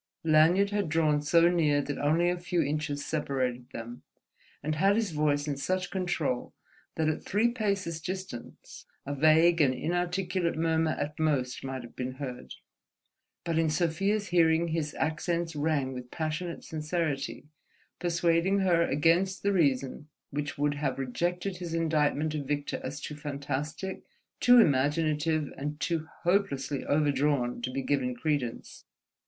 Lanyard had drawn so near that only a few inches separated them, and had his voice in such control that at three paces' distance a vague and inarticulate murmur at most might have been heard; but in Sofia's hearing his accents rang with passionate sincerity, persuading her against the reason which would have rejected his indictment of Victor as too fantastic, too imaginative, and too hopelessly overdrawn to be given credence.